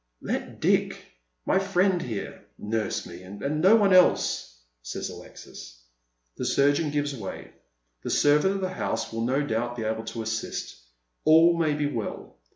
" Let Dick — my friend here — nurse me, and no one else," says Alexis. The surgeon gives way. The servant of the house will no doubt be able to assist. All may be well.